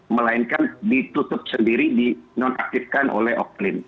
melainkan ditutup sendiri di nonaktifkan oleh oklin